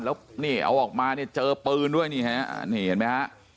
แล้วนี่เอาออกมาเจอปืนด้วยนี่เห็นไหมครับ